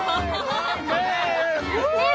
ねえ？